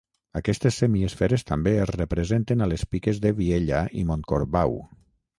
Aquestes semiesferes també es representen a les piques de Vielha i Montcorbau.